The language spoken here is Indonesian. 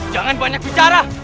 jangan banyak bicara